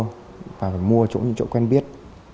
phải mua chỗ nhận được phải mua chỗ nhận được phải mua chỗ nhận được